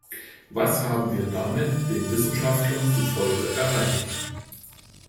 Was haben wir damit, den Wissenschaftlern zufolge, erreicht?